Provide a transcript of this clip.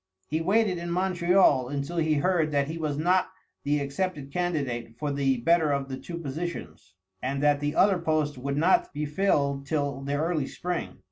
He waited in Montreal until he heard that he was not the accepted candidate for the better of the two positions, and that the other post would not be filled till the early spring.